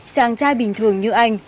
chàng trai bình thường như anh